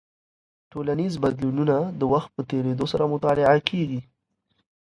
ټولنیز بدلونونه د وخت په تېرېدو سره مطالعه کیږي.